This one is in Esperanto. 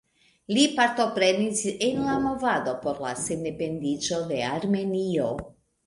Li partoprenis en la movado por la sendependiĝo de Armenio.